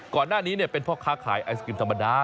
ก่อนหน้านี้เป็นพ่อค้าขายไอศกรีมธรรมดา